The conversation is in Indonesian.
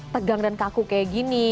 tegang dan kaku kayak gini